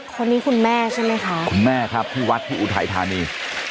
คนนี้คุณแม่ใช่ไหมคะคุณแม่ครับที่วัดที่อุทัยธานี